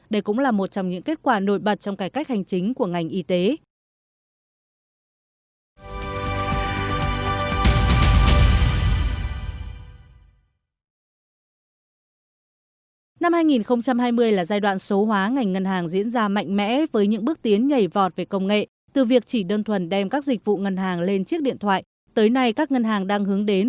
đây cũng là một trong những kết quả nội bật trong cải cách hành chính của ngành y tế